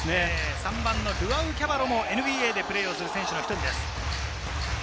３番のルワウ・キャバロもＮＢＡでプレーする選手の１人です。